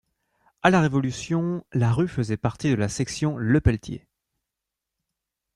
À la Révolution, la rue faisait partie de la section Lepeletier.